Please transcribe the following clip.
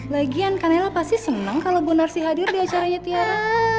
lagian kak naila pasti seneng kalau bu narsi hadir di acaranya tiara